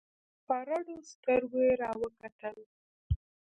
په رډو سترگو يې راوکتل.